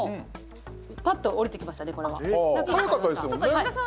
パッと降りてきましたね、これは。